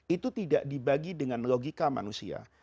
itu tidak dibagi dengan logika manusia